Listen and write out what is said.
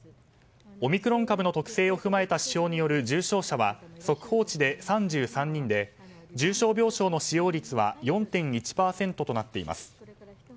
オミクロン株の特性を踏まえた指標による重症者は速報値で３３人で重症病床の使用率は４．１％となっています。